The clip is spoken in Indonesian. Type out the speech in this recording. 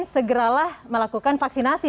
segeralah melakukan vaksinasi